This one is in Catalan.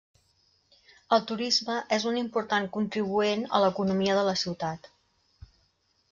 El turisme és un important contribuent a l'economia de la ciutat.